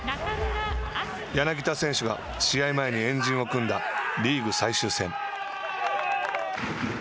柳田選手が試合前に円陣を組んだリーグ最終戦。